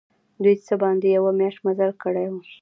دوی څه باندي یوه میاشت مزل کړی وو.